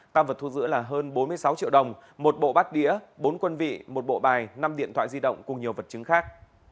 tăng vật thu giữ là hơn bốn mươi sáu triệu đồng một bộ bát đĩa bốn quân vị một bộ bài năm điện thoại di động cùng nhiều vật chứng khác